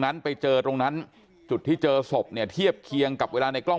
นั้นไปเจอตรงนั้นจุดที่เจอศพเนี่ยเทียบเคียงกับเวลาในกล้อง